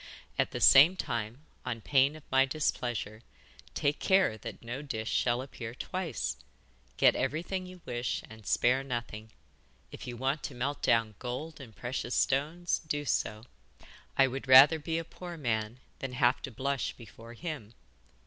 At the same time, on pain of my displeasure, take care that no dish shall appear twice. Get everything you wish and spare nothing. If you want to melt down gold and precious stones, do so. I would rather be a poor man than have to blush before him.